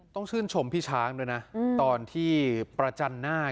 ต้องชื่นชมพี่ช้างด้วยนะตอนที่ประจันหน้า